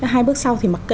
hai bước sau thì mặc kệ